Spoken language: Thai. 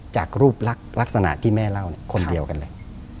จากรูปลักษณะที่แม่เล่าคนเดียวกันเลย